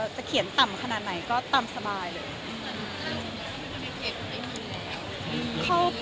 จะเขียนต่ำขนาดไหนก็ตามสบายเลย